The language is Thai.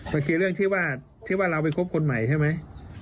มันคือเรื่องที่ว่าที่ว่าเราไปคบคนใหม่ใช่ไหม